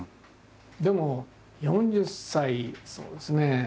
でも４０歳そうですね。